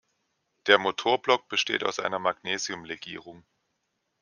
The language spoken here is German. Der Motorblock besteht aus einer Magnesium-Legierung.